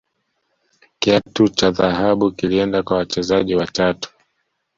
kiatu cha dhahabu kilienda kwa wachezaji watatu